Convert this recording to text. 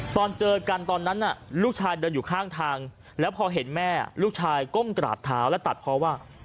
ตอนเจอกันตอนนั้นน่ะลูกชายเดินอยู่ข้างทางแล้วพอเห็นแม่ลูกชายก้มกราบเท้าและตัดเพราะว่า